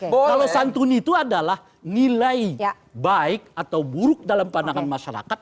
kalau santun itu adalah nilai baik atau buruk dalam pandangan masyarakat